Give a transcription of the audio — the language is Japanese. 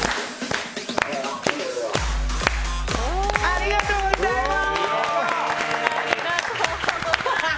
ありがとうございます！